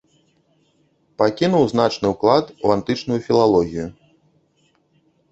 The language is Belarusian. Пакінуў значны ўклад у антычную філалогію.